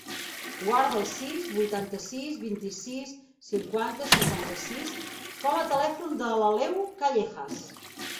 Guarda el sis, vuitanta-sis, vint-i-sis, cinquanta, cinquanta-sis com a telèfon de l'Aleu Callejas.